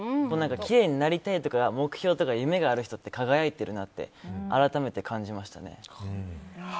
きれいになりたいとか目標とか夢がある人って輝いてるなって改めて感じましたね。